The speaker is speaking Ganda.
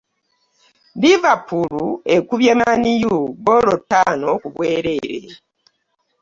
Liverpool ekubye manU goolo ttaano kubwerere.